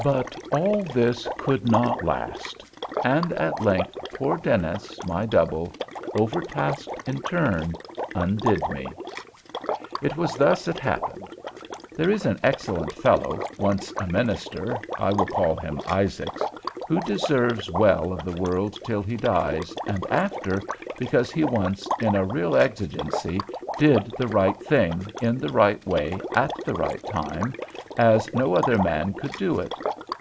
But all this could not last—and at length poor Dennis, my double, overtasked in turn, undid me. It was thus it happened. There is an excellent fellow—once a minister—I will call him Isaacs—who deserves well of the world till he dies, and after—because he once, in a real exigency, did the right thing, in the right way, at the right time, as no other man could do it.